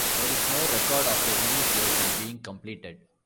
There is no record of the English version being completed.